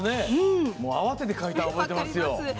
慌てて描いたの覚えてますよ。